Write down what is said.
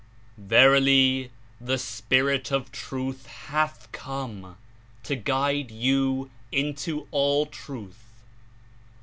"Verily, the Spirit of Truth hath come, to guide you into all Truth.